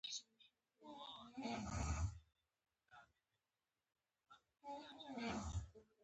په یو لوی سکرین به یې پرزینټېشن وچلوو.